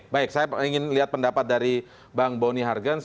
baik saya ingin lihat pendapat dari bang boni hargens